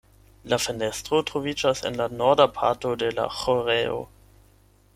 La fenestro troviĝas en la norda parto de la ĥorejo.